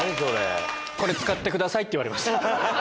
使ってくださいって言われました。